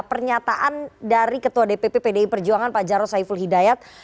pernyataan dari ketua dpp pdi perjuangan pak jarod saiful hidayat